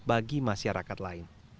bagi masyarakat lain